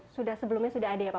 sudah sebelumnya sudah ada ya pak